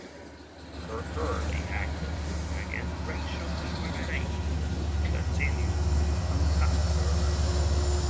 Her early activism against racial discrimination continued throughout her life.